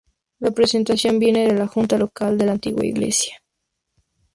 La presentación viene de la junta local de la antigua iglesia.